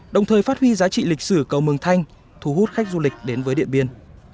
đồng thời phát huy giá trị lịch sử cầu mường thanh thu hút khách du lịch đến với điện biên